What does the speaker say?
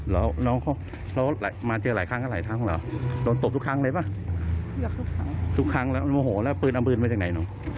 เห็นอยู่ในบ้านตั้งแต่ปู่ยังไม่เสีย